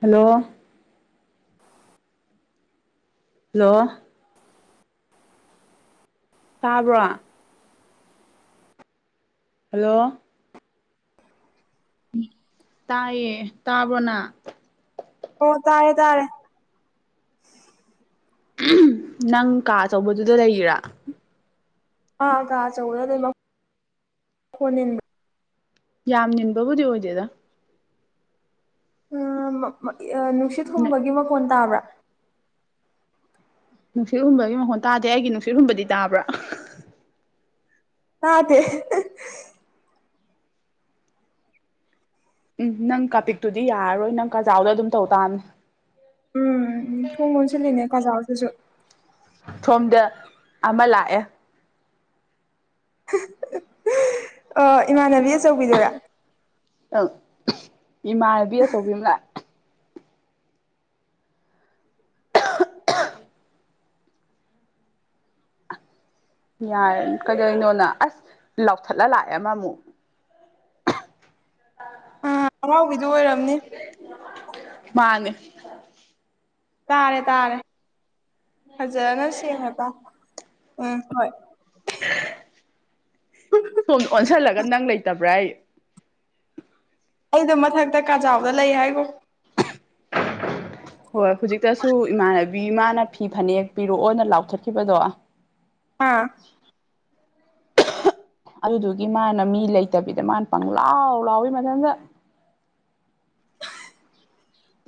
hello hello ꯇꯥꯕ꯭ꯔꯣ hello ꯇꯥꯏꯌꯦ ꯇꯥꯕ꯭ꯔꯣꯅ ꯑꯣ ꯇꯥꯔꯦ ꯇꯥꯔꯦ ꯅꯪ ꯀꯥ ꯑꯆꯧꯕꯗꯨꯗ ꯂꯩꯔꯤꯔꯥ ꯑ ꯀꯥ ꯑꯆꯧꯕꯗ ꯂꯩ ꯃꯈꯣꯟ ꯅꯤꯟ ꯌꯥꯝ ꯅꯤꯟꯕꯕꯨꯗꯤ ꯑꯣꯏꯗꯦꯗ [unintelligible] ꯅꯨꯡꯁꯤꯠ ꯍꯨꯝꯕꯒꯤ ꯃꯀꯣꯟ ꯇꯥꯕ꯭ꯔꯥ ꯅꯨꯡꯁꯤꯠ ꯍꯨꯟꯕꯒꯤ ꯃꯍꯣꯟ ꯇꯥꯗꯦ ꯑꯩꯒꯤ ꯅꯨꯡꯁꯤꯠ ꯍꯨꯕꯗꯤ ꯇꯥꯕ꯭ꯔꯥ ꯇꯗꯦ ꯎꯝ ꯅꯪ ꯀꯥꯄꯤꯛꯇꯨꯗꯤ ꯌꯥꯔꯔꯣꯏ ꯅꯪ ꯀꯥꯖꯥꯎꯗ ꯑꯗꯨꯝ ꯇꯧ ꯇꯥꯝꯅꯤ ꯎꯝ ꯊꯣꯡ ꯂꯣꯟꯁꯤꯜꯂꯤꯅꯦ ꯀꯖꯥꯎꯗꯁꯨ ꯁꯣꯝꯗ ꯑꯃ ꯂꯥꯛꯑꯦ ꯑꯣ ꯏꯃꯥꯟꯅꯕꯤ ꯑꯆꯧꯕꯤꯗꯨꯔꯥ ꯑꯪ ꯏꯃꯥꯟꯅꯕꯤ ꯑꯆꯧꯕꯤ ꯑꯃ ꯂꯥꯛ ꯌꯥꯔꯦ ꯀꯩꯗꯩꯅꯣ ꯅꯪ ꯑꯁ ꯂꯥꯎꯊꯠꯂ ꯂꯥꯛꯑꯦ ꯑꯃ ꯑꯃꯨꯛ ꯑ ꯑꯥꯔꯥꯎꯕꯤꯗꯨ ꯑꯣꯏꯔꯝꯅꯤ ꯃꯥꯥꯅꯦ ꯇꯥꯔꯦ ꯇꯥꯔꯦ ꯐꯖꯅ ꯁꯦꯡꯅ ꯇꯥ ꯎꯝ ꯍꯣꯏ ꯁꯣꯝ ꯑꯣꯟꯁꯤꯜꯂꯒ ꯅꯪ ꯂꯩꯇꯕ꯭ꯔꯥꯌꯦ ꯑꯩꯗꯣ ꯃꯊꯛꯇ ꯀꯥꯖꯥꯎꯗ ꯂꯩ ꯍꯥꯏꯒꯣ ꯍꯣꯏ ꯍꯧꯖꯤꯛꯇꯁꯨ ꯏꯃꯥꯟꯅꯕꯤ ꯏꯃꯥꯅ ꯐꯤ ꯐꯅꯦꯛ ꯄꯤꯔꯛꯑꯣꯅ ꯂꯥꯎꯊꯠꯈꯤꯕꯗꯣ ꯑꯥ ꯑꯗꯨꯗꯨꯒꯤ ꯃꯥꯅ ꯃꯤ ꯂꯩꯇꯕꯤꯗ ꯃꯥꯅ ꯄꯪ ꯂꯥꯎ ꯂꯥꯎꯏ ꯃꯊꯟꯗ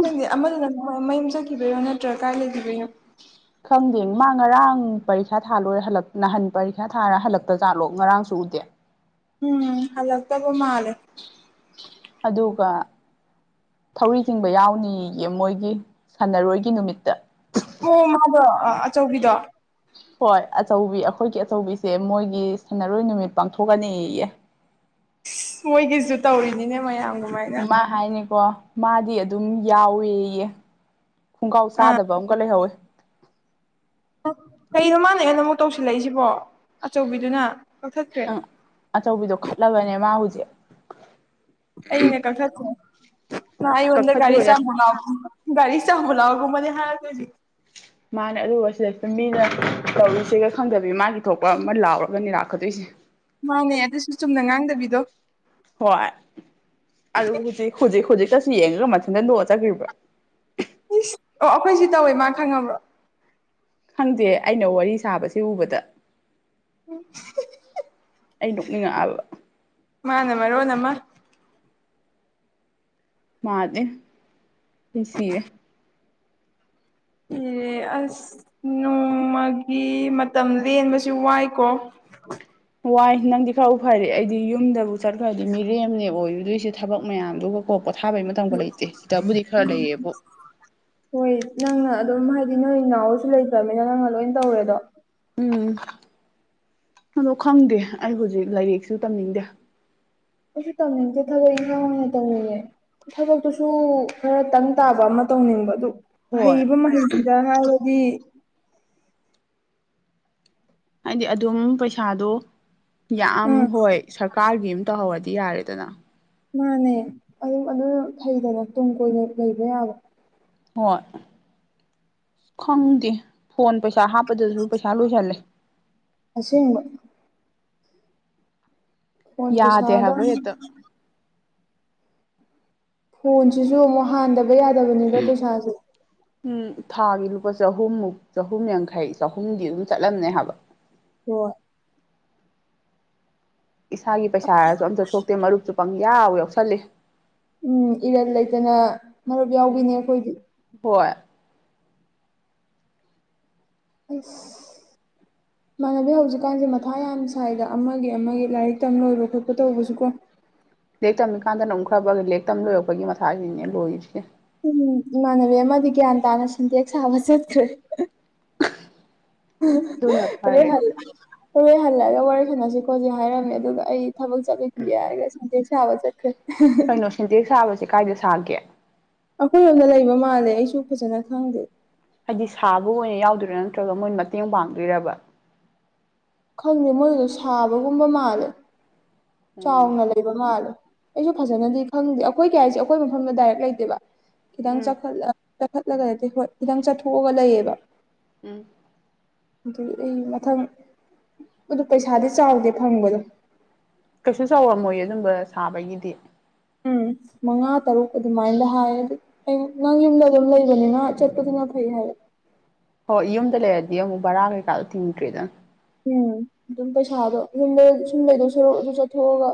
ꯈꯪꯗꯦ ꯑꯃꯗꯨꯅ ꯃꯌꯨꯝ ꯆꯠꯈꯤꯕꯩꯔꯣ ꯅꯠꯇ꯭ꯔꯒ ꯀꯥꯏ ꯂꯩꯒꯤꯕꯩꯅꯣ ꯈꯪꯗꯦ ꯃꯥ ꯉꯔꯥꯡ ꯄꯔꯤꯈꯥ ꯊꯥꯂꯣꯏ ꯍꯜꯂꯛ ꯅꯍꯥꯟ ꯄꯔꯤꯈꯥ ꯊꯥꯔ ꯍꯜꯂꯛꯇ ꯖꯥꯠꯂꯣ ꯉꯔꯥꯡꯁꯨ ꯎꯗꯦ ꯎꯝ ꯍꯜꯂꯛꯇꯕ ꯃꯥꯂꯦ ꯑꯗꯨꯒ ꯊꯧꯔꯤ ꯆꯤꯡꯕ ꯌꯥꯎꯅꯤꯌꯦ ꯃꯣꯏꯒꯤ ꯁꯥꯟꯅꯔꯣꯏꯒꯤ ꯅꯨꯃꯤꯠꯇ ꯑꯣ ꯃꯥꯗꯣ ꯑꯆꯧꯕꯤꯗꯣ ꯍꯣꯏ ꯑꯆꯧꯕꯤ ꯑꯩꯈꯣꯏꯒꯤ ꯑꯆꯧꯕꯤꯁꯦ ꯃꯣꯏꯒꯤ ꯁꯥꯟꯅꯔꯣꯏ ꯅꯨꯃꯤꯠ ꯄꯥꯡꯊꯣꯛꯀꯅꯤꯌꯦ ꯃꯣꯏꯒꯤꯁꯨ ꯇꯧꯔꯤꯅꯤꯅꯦ ꯃꯌꯥꯝꯒ ꯍꯣ ꯃꯥ ꯍꯥꯏꯅꯤꯀꯣ ꯃꯥꯗꯤ ꯑꯗꯨꯝ ꯌꯥꯎꯋꯦꯌꯦ ꯈꯣꯡꯒ꯭ꯔꯥꯎ ꯑꯥ ꯆꯥꯗꯕ ꯑꯃꯒ ꯂꯩꯍꯧꯋꯦ ꯀꯩꯅꯣ ꯃꯥꯅ ꯑꯩꯉꯣꯟꯗꯥ ꯑꯃꯨꯛ ꯇꯧꯁꯤꯜꯂꯛꯏꯁꯤꯕꯣ ꯑꯆꯧꯕꯤꯗꯨꯅ ꯀꯛꯊꯛꯈꯔꯦ ꯑꯪ ꯑꯆꯧꯕꯤꯗꯣ ꯈꯠꯂꯕꯅꯦ ꯃꯥ ꯍꯧꯖꯤꯛ ꯑꯩꯅ ꯀꯊꯛꯈꯣ ꯃꯥ ꯑꯩꯉꯣꯟꯗ ꯒꯥꯔꯤ ꯀꯛꯊꯠꯈ꯭ꯔꯣ ꯌꯥꯏ ꯆꯥꯝꯃꯨꯂꯥꯎ ꯒꯥꯔꯤ ꯆꯥꯝꯃꯨ ꯂꯥꯎꯒꯨꯝꯕꯅꯦ ꯍꯥꯏꯔꯛꯇꯣꯏꯁꯦ ꯃꯥꯅꯦ ꯑꯗꯨꯒ ꯁꯤꯗꯩꯁꯤꯗ ꯃꯤꯅ ꯇꯧꯔꯤꯁꯤꯒ ꯈꯪꯗꯕꯤ ꯃꯥꯒꯤ ꯊꯣꯛꯄ ꯑꯃ ꯂꯥꯎꯔꯒꯅꯤ ꯂꯥꯛꯀꯗꯣꯏꯁꯦ ꯃꯥꯅꯦ ꯑꯗꯨꯁꯨ ꯆꯨꯝꯅ ꯉꯥꯡꯗꯕꯤꯗꯣ ꯍꯣꯏ ꯑꯗꯨ ꯍꯧꯖꯤꯛ ꯍꯧꯖꯤꯛ ꯍꯧꯖꯤꯛꯇꯥꯁꯨ ꯌꯦꯡꯉꯒ ꯃꯊꯟꯗ ꯅꯣꯛꯑ ꯆꯠꯒ꯭ꯔꯤꯕ꯭ꯔ ꯏꯁ ꯑꯩꯈꯣꯏꯁꯤ ꯇꯧꯋꯦ ꯃꯥ ꯈꯪꯉꯕ꯭ꯔꯣ ꯈꯪꯗ‌ꯦ ꯑꯩꯅ ꯋꯥꯔꯤ ꯁꯥꯕꯁꯦ ꯎꯕꯗ ꯑꯩ ꯅꯣꯛꯅꯤꯡꯉꯛꯑꯕ ꯃꯥꯅ ꯃꯔꯣꯟ ꯑꯃꯥ ꯃꯥ ꯑ‌ꯦ ꯑꯩꯁꯤꯔ‌ꯦ ꯑꯦ ꯑꯁ ꯅꯣꯡꯃꯒꯤ ꯃꯇꯝ ꯂꯦꯟꯕꯁꯨ ꯋꯥꯏꯀꯣ ꯋꯥꯏ ꯅꯪꯗꯤ ꯈꯔꯕꯨ ꯐꯔꯤ ꯑꯩꯗꯤ ꯌꯨꯝꯗꯕꯨ ꯆꯠꯈ꯭ꯔꯗꯤ ꯃꯤꯔꯦꯝꯅꯦ ꯑꯣꯏꯗꯣꯏꯁꯦ ꯊꯕꯛ ꯃꯌꯥꯝꯗꯨꯒ ꯀꯣꯛ ꯄꯣꯊꯥꯕꯩ ꯃꯇꯝꯒ ꯂꯩꯇꯦ ꯁꯤꯗꯕꯨꯗꯤ ꯈꯔ ꯂꯩꯌꯦꯕꯨ ꯍꯣꯏ ꯅꯪꯅ ꯑꯗꯨꯝ ꯍꯥꯏꯗꯤ ꯅꯣꯏ ꯅꯥꯎꯁꯨ ꯂꯩꯇ꯭ꯔꯅꯤꯅ ꯅꯪꯅ ꯂꯣꯏ ꯇꯧꯔꯦꯗꯣ ꯎꯝ ꯑꯗꯣ ꯈꯪꯗꯦ ꯑꯩ ꯍꯧꯖꯤꯛ ꯂꯥꯏꯔꯤꯛꯁꯨ ꯇꯝꯅꯤꯡꯗꯦ ꯑꯁꯨ ꯇꯧꯅꯤꯡꯗ‌ꯦ ꯊꯕꯛ ꯏꯟꯈꯥꯡ ꯑ‌ꯣꯏꯅ ꯇꯧꯅꯤꯡꯉ‌ꯦ ꯊꯕꯛꯇꯨꯁꯨ ꯈꯔ ꯇꯪ ꯇꯥꯕ ꯑꯃ ꯇꯧꯅꯤꯡꯕ ꯑꯗꯨ ꯍꯣꯏ ꯍꯩꯕ ꯃꯍꯩꯁꯤꯗ ꯍꯥꯏꯔꯗꯤ ꯍꯥꯏꯗꯤ ꯑꯗꯨꯝ ꯄꯩꯁꯥꯗꯣ ꯌꯥꯝ ꯎꯝ ꯍꯣꯏ ꯁꯔꯀꯥꯔꯒꯤ ꯑꯃ ꯇꯧꯍꯧꯔꯗꯤ ꯌꯥꯔꯦꯗꯅ ꯃꯥꯅꯦ ꯑꯗꯨ ꯑꯗꯨꯝ ꯐꯩꯗꯅ ꯇꯨꯡ ꯀꯣꯏꯅ ꯂꯩꯕ ꯌꯥꯕ ꯍꯣꯏ ꯈꯪꯗꯦ ꯐꯣꯟ ꯄꯩꯁꯥ ꯍꯥꯞꯄꯗꯁꯨ ꯄꯩꯁꯥ ꯂꯣꯏꯁꯜꯂꯦ ꯑꯁ‌ꯦꯡꯕ ꯐꯣꯟ ꯌꯥꯗꯦ ꯄꯩꯁꯥꯗ ꯍꯥꯏꯕ ꯍ‌ꯦꯛꯇ ꯐꯣꯟꯁꯤꯁꯨ ꯑꯃꯨꯛ ꯍꯥꯟꯗꯕ ꯌꯥꯗꯕꯅꯤꯗꯣ ꯄꯩꯁꯥꯥꯁꯦ ꯎꯝ ꯊꯥꯒꯤ ꯂꯨꯄꯥ ꯆꯍꯨꯝꯃꯨꯛ ꯆꯍꯨꯝ ꯌꯥꯡꯈꯩ ꯆꯍꯨꯝꯗꯤ ꯑꯗꯨꯝ ꯆꯠꯂꯝꯅꯦ ꯍꯥꯏꯕ ꯍꯣꯏ ꯏꯁꯥꯒꯤ ꯄꯩꯁꯥ ꯍꯥꯏꯔꯁꯨ ꯑꯝꯇ ꯊꯣꯛꯇꯦ ꯃꯔꯨꯞꯁꯨ ꯄꯪ ꯌꯥꯎ ꯌꯥꯎꯁꯜꯂꯤ ꯎꯝ ꯏꯔꯟ ꯂꯩꯇꯅ ꯃꯔꯨꯞ ꯎꯝ ꯌꯥꯎꯕꯤꯅꯦ ꯑꯩꯈꯣꯏꯗꯤ ꯍꯣꯏ ꯍꯩꯁ [unintelligible] [inaudible] ꯏꯃꯥꯟꯅꯕꯤ ꯍꯧꯖꯤꯛꯀꯥꯟꯁꯦ ꯃꯊꯥ ꯌꯥꯝ ꯁ꯭ꯥꯏꯗ ꯑꯃꯒꯤ ꯑꯃꯒꯤ ꯂꯥꯏꯔꯤꯛ ꯇꯝ ꯂꯣꯏꯕ ꯈꯣꯠꯄ ꯇꯧꯕꯁꯨꯀꯣ ꯂꯦꯛ ꯇꯝꯃꯤꯀꯥꯟꯗꯅ ꯑꯃꯨꯛ ꯈꯔꯐꯒꯤ ꯂꯦꯛ ꯇꯝ ꯂꯣꯏꯔꯛꯄꯒꯤ ꯃꯊꯥꯁꯤꯅꯦ ꯂꯣꯏꯔꯤꯁꯦ ꯎꯝ ꯏꯃꯥꯟꯅꯕꯤ ꯑꯃꯗꯤ ꯒ꯭ꯌꯥꯟ ꯇꯥꯅ ꯁꯤꯟꯇꯦꯛꯁ ꯁꯥꯕ ꯆꯠꯈ꯭ꯔꯦ ꯑꯗꯨꯅ ꯍꯣꯔ ꯐꯔꯦ ꯍꯣꯔꯦ ꯍꯜꯂꯛꯑꯒ ꯋꯥꯔꯤ ꯁꯥꯟꯅꯁꯤ ꯈꯣꯠꯁꯤ ꯍꯥꯏꯔꯝꯃꯦ ꯑꯗꯨꯒ ꯑꯩ ꯊꯕꯛ ꯆꯠꯂꯤꯅꯤ ꯍꯥꯏꯔ ꯁꯤꯟꯇ‌ꯦꯛꯁ ꯁꯥꯕ ꯆꯠꯈꯔ‌ꯦ ꯀꯩꯅꯣ ꯁꯤꯟꯇꯦꯛꯁ ꯁꯥꯕꯕꯁ‌ꯦ ꯀꯥꯏꯗ ꯁꯥꯒꯦ ꯑꯩꯈꯣꯏꯔꯣꯝꯗ ꯂꯩꯕ ꯃꯥꯜꯂꯦ ꯑꯩꯁꯨ ꯐꯖꯅ ꯈꯪꯗꯦ ꯍꯥꯏꯗꯤ ꯁꯥꯕ ꯑꯣꯏꯅ ꯌꯥꯎꯗꯣꯏꯔꯥ ꯅꯠꯇ꯭ꯔꯒ ꯃꯣꯏꯅ ꯃꯇꯦꯡ ꯄꯥꯡꯗꯣꯏꯔꯕ ꯈꯪꯗꯦ ꯃꯣꯏꯗ‌ꯣ ꯁꯥꯕꯒꯨꯝꯕ ꯃꯥꯜꯂꯦ ꯎꯝ ꯆꯥꯎꯅ ꯂꯩꯕ ꯃꯥꯜꯂꯦ ꯑꯩꯁꯨ ꯐꯖꯅꯗꯤ ꯈꯪꯗꯦ ꯑꯩꯈꯣꯏ ꯀꯥꯏ ꯍꯥꯏꯁꯦ ꯑꯩꯈꯣꯏ ꯃꯐꯝꯗ ꯗꯥꯏꯔꯦꯛ ꯂꯩꯇꯦꯕ ꯈꯤꯇꯪ ꯎꯝ ꯆꯈꯠꯂꯒ ꯅꯠꯇꯦ ꯍꯣꯏ ꯈꯤꯇꯪ ꯆꯠꯊꯣꯛꯑꯒ ꯂꯩꯌ‌ꯦꯕ ꯎꯝ ꯑꯗꯨ ꯑꯩ ꯃꯊꯪ ꯑꯗꯨ ꯄꯩꯁꯥꯗꯤ ꯆꯥꯎꯗꯦ ꯐꯪꯕꯗꯣ ꯀꯩꯁꯨ ꯆꯥꯎꯔꯝꯃꯣꯏꯌ‌ꯦ ꯑꯗꯨꯝꯕ ꯁꯥꯕꯒꯤꯗꯤ ꯎꯝ ꯃꯉꯥ ꯇꯔꯨꯛ ꯑꯗꯨꯃꯥꯏꯗ ꯍꯥꯏ ꯑꯗꯨ ꯑꯩ ꯅꯪ ꯌꯨꯝꯗ ꯑꯗꯨꯝ ꯂꯩꯕꯅꯤꯅ ꯆꯠꯄꯗꯨꯅ ꯐꯩ ꯍꯥꯏꯌꯦ ꯍꯣꯏ ꯌꯨꯝꯗ ꯂꯩꯔꯗꯤ ꯑꯃꯨꯛ ꯕꯔꯥ ꯀꯩꯀꯥꯗꯣ ꯊꯤꯡꯗ꯭ꯔꯦꯗꯅ ꯎꯝ ꯑꯗꯨꯝ ꯄꯩꯁꯥꯗꯣ ꯌꯨꯝꯗ ꯁꯨꯝ ꯂꯩꯩꯗꯧ ꯁꯔꯨꯛ ꯑꯗꯨ ꯆꯠꯊꯣꯛꯑꯒ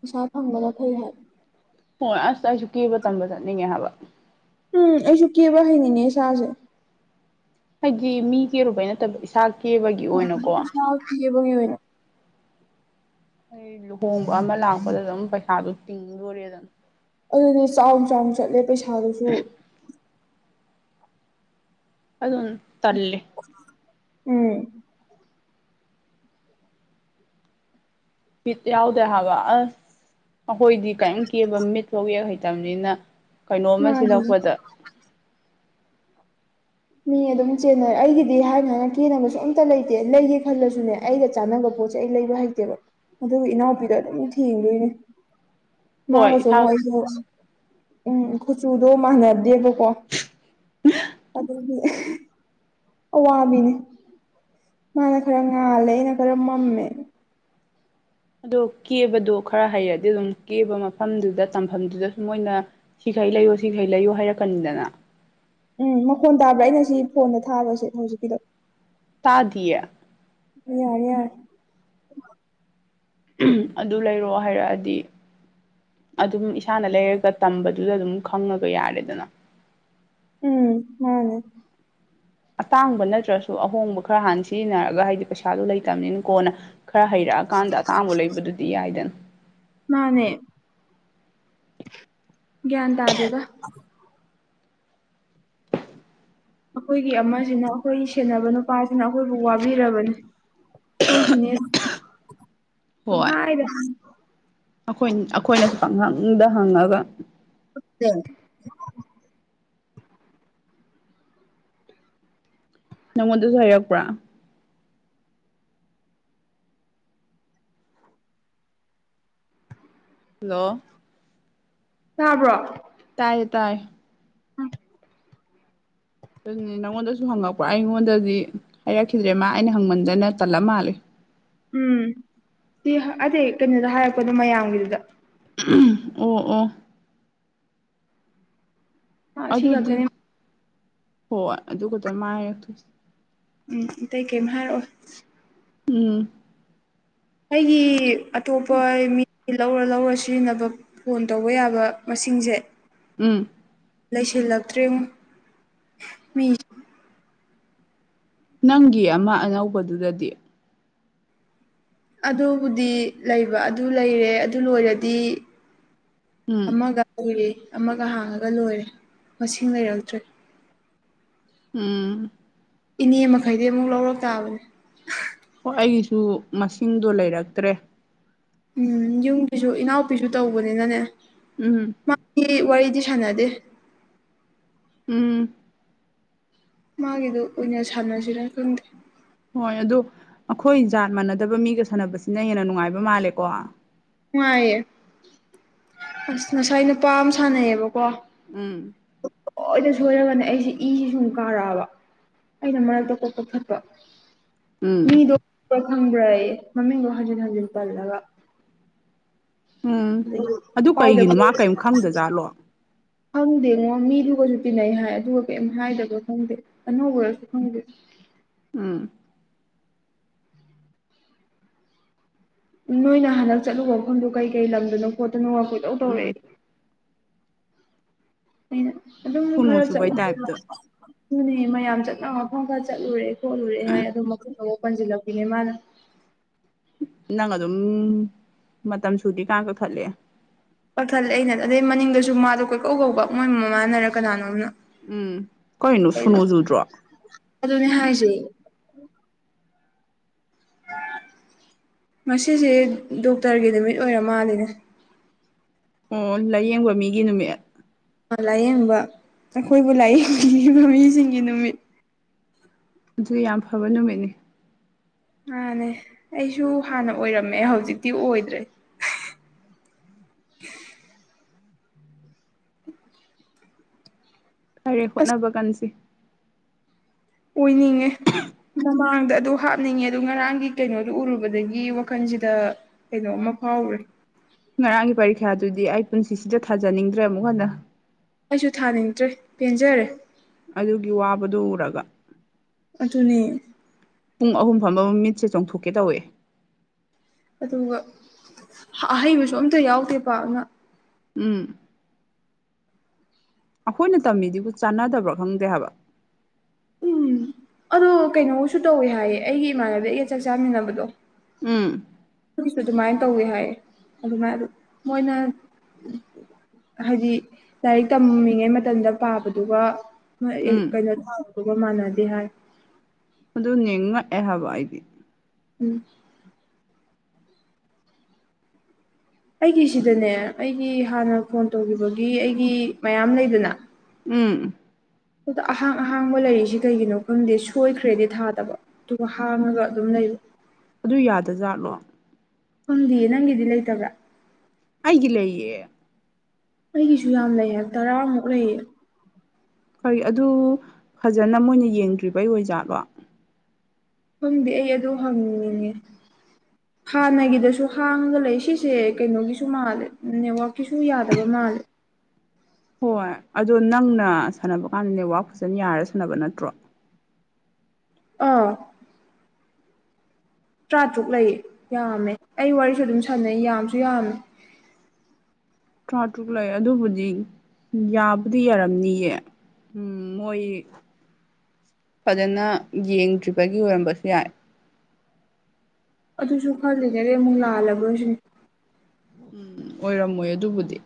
ꯄꯩꯁꯥ ꯐꯪꯕꯅ ꯐꯩ ꯍꯥꯏ ꯍꯣꯏ ꯑꯁ ꯑꯩꯁꯨ ꯀꯦꯕ ꯇꯝꯕ ꯆꯠꯅꯤꯡꯉꯦ ꯍꯥꯏꯕ ꯎꯝ ꯑꯩꯁꯨ ꯀꯦꯕ ꯍꯩꯅꯤꯡꯉꯦ ꯏꯁꯥꯁꯦ ꯍꯥꯏꯗꯤ ꯃꯤ ꯀꯦꯔꯨꯕꯩ ꯅꯠꯇꯕ ꯏꯁꯥ ꯀꯦꯕꯒꯤ ꯍꯣꯏ ꯑꯣꯏꯅꯀꯣ ꯏꯁꯥ ꯀꯦꯕꯒꯤ ꯑꯣꯏꯅ ꯑꯩ ꯂꯨꯍꯣꯡꯕ ꯑꯃ ꯂꯥꯛꯄꯗ ꯑꯗꯨꯝ ꯄꯩꯁꯥꯗꯣ ꯇꯤꯡꯗꯣꯔꯦꯅ ꯑꯗꯨꯗꯤ ꯆꯥꯎ ꯆꯥꯎꯅ ꯆꯠꯂꯦ ꯄꯩꯁꯥꯗꯨꯁꯨ ꯑꯗꯨꯝ ꯇꯜꯂꯦ ꯎꯝ ꯕꯤꯠ ꯌꯥꯎꯗꯦ ꯍꯥꯢꯕ ꯑꯁ ꯑꯩꯈꯣꯏꯗꯤ ꯀꯩꯝ ꯀꯦꯕ ꯃꯤꯠꯐꯥꯎ ꯌꯦꯛ ꯍꯩꯇꯝꯅꯤꯅ ꯀꯩꯅꯣꯝꯃ ꯃꯥꯅꯤ ꯁꯤꯜꯂꯛꯄꯗ ꯃꯤ ꯑꯗꯨꯝ ꯆꯦꯟꯅꯔꯦ ꯑꯩꯒꯤꯗꯤ ꯍꯥꯏꯅ ꯍꯥꯏꯅ ꯀꯦꯅꯕꯁꯨ ꯑꯝꯇ ꯂꯩꯇꯦ ꯂꯩꯒꯦ ꯈꯜꯂꯁꯨꯅꯦ__ ꯑꯩꯒ ꯆꯥꯟꯅꯕ ꯄꯣꯠꯁꯦ ꯑꯩ ꯂꯩꯕ ꯍꯩꯇꯦꯕ ꯑꯗꯨꯒ ꯏꯅꯥꯎꯄꯤꯗꯣ ꯑꯗꯨꯝ ꯊꯦꯡꯗꯣꯏꯅꯦ ꯍꯣꯏ ꯃꯥꯒꯁꯨ ꯏꯁꯥ ꯑꯄꯨꯛ ꯑꯩꯁꯨ ꯎꯝ ꯀꯨꯆꯨꯗꯣ ꯃꯥꯟꯅꯗꯦꯕꯀꯣ [unintelligible] ꯑꯗꯨꯒꯤ ꯑꯋꯥꯕꯤꯅꯤ ꯃꯥꯅ ꯈꯔ ꯉꯥꯜꯂꯦ ꯑꯩꯅ ꯈꯔ ꯃꯝꯃꯦ ꯑꯗꯣ ꯀꯦꯕꯗꯣ ꯈꯔ ꯍꯩꯔꯗꯤ ꯑꯗꯨꯝ ꯀꯦꯕ ꯃꯐꯝꯗꯨꯗ ꯇꯝꯐꯝꯗꯨꯗꯁꯨ ꯃꯣꯏꯅ ꯁꯤꯈꯩ ꯂꯩꯌꯣ ꯁꯤꯈꯩ ꯂꯩꯌꯣ ꯍꯥꯏꯔꯛꯀꯅꯤꯗꯅ ꯎꯝ ꯃꯈꯣꯟ ꯇꯥꯕ꯭ꯔꯥ ꯑꯩꯅ ꯁꯤ ꯐꯣꯟꯗ ꯊꯥꯕꯁꯦ ꯍꯧꯖꯤꯛꯀꯤꯗꯣ ꯇꯥꯗꯤꯌꯦ ꯌꯥꯔꯦ ꯌꯥꯔꯦ ꯑꯗꯨ ꯂꯩꯔꯣ ꯍꯥꯏꯔꯛꯑꯗꯤ ꯑꯗꯨꯝ ꯏꯁꯥꯅ ꯂꯩꯔꯒ ꯇꯝꯕꯗꯨꯗ ꯑꯗꯨꯝ ꯈꯪꯉꯒ ꯌꯥꯔꯦꯗꯅ ꯎꯝ ꯃꯥꯅꯦ ꯑꯇꯥꯡꯕ ꯅꯠꯇ꯭ꯔꯁꯨ ꯑꯍꯣꯡꯕ ꯈꯔ ꯍꯥꯟꯅ ꯁꯤꯖꯤꯟꯅꯔꯒ ꯍꯥꯏꯗꯤ ꯄꯩꯁꯥꯗꯨꯣ ꯂꯩꯇꯝꯅꯤꯅ ꯀꯣꯅ ꯈꯔ ꯍꯩꯔꯛꯑꯀꯥꯟꯗ ꯑꯇꯥꯡꯕ ꯂꯩꯕꯗꯨꯗꯤ ꯌꯥꯏꯗꯅ ꯃꯥꯅꯦ ꯒ꯭ꯌꯦꯟ ꯇꯥꯗꯦꯗ ꯑꯈꯣꯏꯒꯤ ꯑꯃꯖꯤꯅ ꯑꯈꯣꯏꯒꯤ ꯁꯦꯟꯅꯕ ꯅꯨꯄꯥꯁꯤꯅ ꯑꯈꯣꯏꯕꯨ ꯋꯥꯕꯤꯔꯕꯅꯤ ꯍꯣꯏ ꯈꯤꯅꯦ ꯄꯪꯍꯥꯏꯗ ꯍꯥꯏ__ ꯑꯈꯣꯏꯟ ꯑꯈꯣꯏꯅ ꯄꯪꯍꯪꯗ ꯍꯪꯉꯒ ꯎꯞꯗꯦꯡ ꯅꯪꯉꯣꯟꯗꯁꯨ ꯍꯥꯏꯔꯛꯄ꯭ꯔ ꯍꯜꯂꯣ ꯇꯥꯕ꯭ꯔꯣ ꯇꯥꯏꯌꯦ ꯇꯥꯏ ꯎꯝ ꯑꯗꯨꯅꯦ ꯅꯪꯉꯣꯟꯗꯁꯨ ꯍꯪꯉꯛꯄ꯭ꯔꯣ ꯑꯩꯉꯣꯟꯗꯗꯤ ꯍꯥꯏꯔꯛꯈꯤꯗ꯭ꯔꯦ ꯃꯥ ꯑꯩꯅ ꯍꯪꯃꯟꯗꯅ ꯇꯜꯂ ꯃꯥꯜꯂꯦ ꯎꯝ ꯁꯤ ꯍꯥ ꯑꯇꯦ ꯀꯩꯅꯣꯗ ꯍꯥꯏꯔꯛꯄꯗꯣ ꯃꯌꯥꯝꯒꯤꯗꯨꯗ ꯑꯣ ꯑꯣ ꯁꯤ ꯑꯗꯨꯗꯤ ꯈꯛꯇꯅꯦ ꯍꯣꯏ ꯑꯗꯨ ꯈꯛꯇ ꯃꯥ ꯍꯥꯏꯔꯛꯇꯣꯏꯁꯦ ꯎꯝ ꯑꯇꯩ ꯀꯩꯝ ꯍꯥꯏꯔꯛꯑꯣꯏ ꯎꯝ ꯑꯩꯒꯤ ꯑꯇꯣꯞꯄ ꯃꯤ ꯂꯧꯔ ꯂꯧꯔ ꯁꯤꯖꯤꯟꯅꯕꯞ ꯐꯣꯟ ꯇꯧꯕ ꯌꯥꯕ ꯃꯁꯤꯡꯁꯦ ꯎꯝ ꯂꯩꯁꯤꯜꯂꯛꯇ꯭ꯔꯦꯉꯣ ꯃꯤ ꯅꯪꯒꯤ ꯑꯃ ꯑꯅꯧꯕꯗꯨꯗꯗꯤ ꯑꯗꯨꯕꯨꯗꯤ ꯂꯩꯕ ꯑꯗꯨ ꯂꯩꯔꯦ ꯑꯗꯨ ꯂꯣꯏꯔꯗꯤ ꯎꯝ ꯑꯃꯒ ꯎꯔꯦ ꯑꯃꯒ ꯍꯥꯡꯉꯒ ꯂꯣꯏꯔꯦ ꯃꯁꯤꯡ ꯂꯩꯔꯛꯇ꯭ꯔꯦ ꯎꯝ ꯏꯅꯦ ꯃꯈꯩꯗꯤ ꯑꯃꯨꯛ ꯂꯧꯔꯛ ꯇꯥꯕꯅꯤ ꯍꯣ ꯑꯩꯒꯤꯁꯨ ꯃꯁꯤꯡꯗꯣ ꯂꯩꯔꯛꯇ꯭ꯔꯦ ꯎꯝ ꯌꯨꯝꯒꯤꯁꯨ ꯏꯅꯥꯎꯄꯤꯁꯨ ꯇꯧꯕꯅꯤꯅꯅꯦ ꯎꯝ ꯍꯤ ꯋꯥꯔꯤꯗꯤ ꯁꯥꯟꯅꯗꯦ ꯎꯝ ꯃꯥꯒꯤꯗꯨ ꯑꯣꯏꯅ ꯁꯥꯟꯅꯁꯤꯅ ꯈꯪꯗꯦ ꯍꯣꯏ ꯑꯗꯨ ꯑꯩꯈꯣꯏ ꯖꯥꯠ ꯃꯥꯟꯅꯗꯕ ꯃꯤꯒ ꯁꯥꯟꯅꯕꯁꯤꯅ ꯍꯦꯟꯅ ꯅꯨꯡꯉꯥꯏꯕ ꯃꯥꯜꯂꯦꯀꯣ ꯅꯨꯡꯉꯥꯏꯌꯦ ꯑꯁ ꯉꯁꯥꯏ ꯅꯨꯄꯥ ꯑꯝ ꯁꯥꯟꯅꯩꯌꯦꯕꯀꯣ ꯎꯝ ꯄꯨꯡꯁꯣꯢꯗ ꯁꯣꯏꯔꯒꯅꯦ ꯑꯩꯁꯦ ꯏꯁꯤ ꯁꯨꯝ ꯀꯥꯔꯛꯑꯕ ꯑꯩꯅ ꯃꯔꯛꯇ ꯀꯣꯛ ꯀꯛꯊꯠꯄ ꯎꯝ ꯃꯤꯗꯣ ꯈꯪꯕ ꯈꯪꯕ꯭ꯔꯌꯦ ꯃꯃꯤꯡꯗꯣ ꯍꯟꯖꯤꯟ ꯍꯟꯖꯤꯟ ꯄꯜꯂꯒ ꯎꯝ ꯑꯗꯒꯤ ꯑꯗꯨ ꯀꯥꯏꯗ ꯀꯩꯒꯤꯅꯣ ꯃ ꯀꯔꯤꯝ ꯈꯪꯗꯖꯥꯠꯂꯣ ꯈꯪꯗꯦꯉꯣ ꯃꯤꯗꯨꯒꯁꯨ ꯇꯤꯟꯅꯩ ꯍꯥꯏ ꯑꯗꯨꯒ ꯀꯔꯤꯝ ꯍꯥꯏꯗꯕ꯭ꯔꯥ ꯈꯪꯗꯦ ꯑꯅꯧꯕꯔꯁꯨ ꯈꯪꯗꯦ ꯎꯝ ꯅꯣꯏꯅ ꯍꯟꯗꯛ ꯆꯠꯂꯨꯕ ꯃꯐꯝꯗꯣ ꯀꯩ ꯀꯩ ꯂꯝꯗꯅꯣ ꯈꯣꯠꯇꯅꯣ ꯒ ꯀꯣꯏꯇꯧ ꯇꯧꯔꯛꯑꯦ ꯎꯝ ꯑꯩꯅ ꯑꯗꯨꯝ ꯁꯨꯅꯨ ꯈꯔ ꯁꯨꯕꯩ ꯇꯥꯏꯞꯇ ꯆꯠꯂꯨꯔꯦꯅꯦ ꯃꯌꯥꯝ ꯆꯠꯅꯕ ꯃꯐꯝ ꯈꯔ ꯆꯠꯂꯨꯔꯦ ꯈꯣꯠꯂꯨꯔꯦ ꯍꯥꯏ ꯑꯗꯣ ꯃꯈꯝꯗꯣ ꯑꯃꯨꯛ ꯄꯟꯁꯤꯜꯂꯛꯄꯤꯅꯦ ꯃꯥꯅ ꯅꯪ ꯑꯗꯨꯝ ꯃꯇꯝ ꯁꯨꯗꯤ ꯀꯥꯟ ꯀꯛꯊꯠꯂꯦ ꯀꯛꯊꯠꯂꯦ ꯑꯩꯅ ꯑꯗꯩ ꯃꯅꯤꯡꯗꯁꯨ ꯃꯥꯗꯣ ꯀꯣꯏꯀꯧ ꯃꯣꯏ ꯃꯥꯃꯅꯔꯥ ꯀꯅꯥꯅꯣꯅ ꯎꯝ ꯀꯔꯤꯅꯣ ꯑꯩꯅ ꯁꯨꯅꯨ ꯆꯨꯗ꯭ꯔꯣ ꯑꯗꯨꯅꯦ ꯍꯥꯏꯖꯦ ꯉꯁꯤꯁꯦ ꯗꯣꯛꯇꯔꯒꯤ ꯅꯨꯃꯤꯠ ꯑꯣꯏꯔ ꯃꯥꯜꯂꯦꯅꯦ ꯑꯣ ꯂꯥꯏꯌꯦꯡꯕ ꯃꯤꯒꯤ ꯅꯨꯃꯤꯠ ꯂꯥꯏꯌꯦꯡꯕ ꯑꯩꯈꯣꯏꯕꯨ ꯂꯥꯏꯌꯦꯡꯕꯤꯔꯤꯕ ꯃꯃꯤꯁꯤꯡꯒꯤ ꯅꯨꯃꯤꯠ ꯑꯗꯨ ꯌꯥꯝ ꯐꯕ ꯅꯨꯃꯤꯠꯅꯤ ꯃꯥꯅꯦ ꯑꯩꯁꯨ ꯍꯥꯟꯅ ꯑꯣꯏꯔꯝꯃꯦ ꯍꯧꯖꯤꯛꯇꯤ ꯑꯣꯏꯗ꯭ꯔꯦ [inaudible] ꯐꯔꯦ ꯑꯁ ꯍꯣꯠꯅꯕ ꯀꯥꯟꯁꯤ ꯑꯣꯏꯅꯤꯡꯉꯦ ꯃꯃꯥꯡꯗ ꯑꯗꯨ ꯍꯥꯞ ꯍꯥꯞꯅꯤꯡꯉꯦ ꯑꯣ ꯉꯔꯥꯡꯒꯤ ꯀꯩꯅꯣꯗꯨꯣ ꯎꯔꯨꯕꯗꯒꯤ ꯋꯥꯈꯜꯁꯤꯗ ꯀꯩꯅꯣꯝ ꯃ ꯐꯥꯎꯔꯨꯔꯦ ꯉꯔꯥꯡꯒꯤ ꯄꯔꯤꯈ꯭ꯌꯥꯗꯨꯗꯤ ꯑꯩ ꯄꯨꯟꯁꯤꯁꯤꯗ ꯊꯥꯖꯅꯤꯡꯗ꯭ꯔꯦ ꯑꯃꯨꯛ ꯍꯟꯅ ꯑꯩꯁꯨ ꯊꯥꯅꯤꯡꯗ꯭ꯔꯦ ꯄꯦꯟꯖꯔꯦ ꯑꯗꯨꯒꯤ ꯋꯥꯕꯗꯨ ꯎꯔꯒ ꯑꯗꯨꯅꯦ ꯄꯨꯡ ꯑꯍꯨꯝ ꯐꯝꯕꯕꯨ ꯃꯤꯠꯁꯦ ꯆꯣꯡꯊꯣꯛꯀꯦ ꯇꯧꯋꯦ ꯑꯗꯨꯒ ꯑꯍꯩꯕꯁꯨ ꯑꯝꯇ ꯌꯥꯎꯗꯦꯕ ꯄꯥꯛꯅ ꯎꯝ ꯑꯩꯈꯣꯏꯅ ꯇꯝꯃꯤꯁꯤꯕꯨ ꯆꯥꯟꯅꯗꯕ꯭ꯔꯥ ꯈꯪꯗꯦ ꯍꯥꯏꯕ ꯎꯝ ꯑꯗꯣ ꯀꯩꯅꯣꯁꯨ ꯇꯧꯋꯤ ꯍꯥꯏꯌꯦ ꯑꯩꯒꯤ ꯏꯃꯥꯟꯅꯕꯤ ꯑꯩꯒ ꯆꯥꯛ ꯆꯥꯃꯤꯟꯅꯕꯗꯣ ꯎꯝ ꯑꯗꯨꯒꯤꯁꯨ ꯑꯗꯨꯃꯥꯏꯅ ꯇꯧꯋꯤ ꯍꯥꯏ ꯑꯗꯨꯃꯥꯏ ꯑꯗꯨ ꯃꯣꯏꯅ ꯍꯥꯏꯗꯤ ꯂꯥꯏꯔꯤꯛ ꯇꯝꯃꯤꯉꯩ ꯃꯇꯝꯗ ꯄꯥꯕꯗꯨꯒ ꯍꯣꯏ [unintelligible] ꯎꯝ ꯀꯩꯅꯣ ꯇꯧꯕꯗꯨꯒ ꯃꯥꯟꯅꯗꯦ ꯍꯥꯏ ꯑꯗꯨ ꯅꯦ ꯉꯛꯑꯦ ꯍꯥꯏꯕ ꯑꯩꯗꯤ ꯎꯝ ꯑꯩꯒꯤ ꯁꯤꯗꯅꯦ ꯑꯩꯒꯤ ꯍꯥꯟꯅ ꯐꯣꯟ ꯇꯧꯒꯤꯕꯒꯤ ꯑꯩꯒꯤ ꯃꯌꯥꯝ ꯂꯩꯗꯅ ꯎꯝ ꯑꯗꯨꯗ ꯑꯍꯥꯡ ꯑꯍꯥꯡꯕ ꯂꯩꯔꯤꯁꯤ ꯀꯩꯒꯤꯅꯣ ꯈꯪꯗꯦ ꯁꯣꯏꯈ꯭ꯔꯦꯗꯤ ꯊꯥꯗꯕ ꯑꯗꯨꯒ ꯍꯥꯡꯉꯒ ꯑꯗꯨꯝ ꯂꯩꯕ ꯑꯗꯨ ꯌꯥꯗꯖꯥꯠꯂꯣ ꯐꯪꯗꯤꯌꯦ ꯅꯪꯒꯤꯗꯤ ꯂꯩꯇꯕ꯭ꯔꯥ ꯑꯩꯒꯤ ꯂꯩꯌꯦ ꯑꯩꯒꯤꯁꯨ ꯌꯥꯝ ꯂꯩ ꯍꯥꯏꯕ ꯇꯔꯥꯃꯨꯛ ꯂꯩꯌꯦ [unintelligible] ꯑꯗꯨ ꯐꯖꯅ ꯃꯣꯏꯅ ꯌꯦꯡꯗ꯭ꯔꯤꯕꯩ ꯑꯣꯏꯖꯥꯠꯂꯣ ꯈꯪꯗꯦ ꯑꯩ ꯑꯗꯨ ꯍꯪꯅꯤꯡꯉꯦ [inaudible] ꯍꯥꯟꯅꯒꯤꯗꯁꯨ ꯍꯥꯡꯉꯒ ꯂꯩ ꯁꯤꯁꯦ ꯀꯩꯅꯣꯒꯤꯁꯨ ꯃꯥꯜꯂꯦ ꯅꯦꯋꯥꯛꯀꯤꯁꯨ ꯌꯥꯗꯕ ꯃꯥꯜꯂꯦ ꯍꯣꯏ ꯑꯗꯣ ꯅꯪꯅ ꯁꯥꯟꯅꯕ ꯀꯥꯟꯗ ꯅꯦꯋꯥꯛ ꯐꯖꯟ ꯌꯥꯔ ꯁꯥꯟꯅꯕ ꯅꯠꯇ꯭ꯔꯣ ꯑꯧ ꯇ꯭ꯔꯥꯇ꯭ꯔꯨꯛ ꯂꯩ ꯌꯥꯝꯃꯦ ꯑꯩ ꯋꯥꯔꯤꯁꯨ ꯑꯗꯨꯝ ꯁꯥꯟꯅꯩ ꯌꯥꯝꯁꯨ ꯌꯥꯝꯃꯦ ꯇ꯭ꯔꯥ ꯇ꯭ꯔꯨꯛ ꯂꯩ ꯑꯗꯨꯕꯨꯗꯤ ꯌꯥꯕꯨꯗꯤ ꯌꯥꯔꯝꯅꯤꯌꯦ ꯎꯝ ꯃꯣꯏ ꯐꯖꯅ ꯌꯦꯡꯗ꯭ꯔꯤꯕꯒꯤ ꯑꯣꯏꯔꯝꯕꯁꯨ ꯌꯥꯏ ꯑꯗꯨꯁꯨ ꯈꯜꯂꯤꯅꯦꯌꯦ ꯑꯃꯨꯛ ꯂꯥꯜꯂꯕ꯭ꯔꯁꯤꯅꯦ ꯎꯝ ꯑꯣꯏꯔꯝꯃꯣꯏ ꯑꯗꯨꯕꯨꯗꯤ